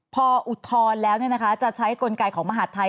พออุทธรณ์แล้วจะใช้กลไกของมหาดไทย